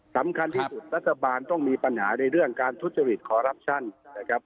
สำคัญที่สุดรัฐบาลต้องมีปัญหาในเรื่องการทุจริตคอรัปชั่นนะครับ